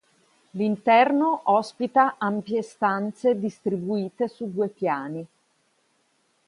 L'interno ospita ampie stanze distribuite su due piani.